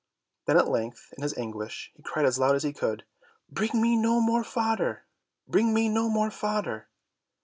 Then at length in his anguish, he cried as loud as he could, "Bring me no more fodder, bring me no more fodder."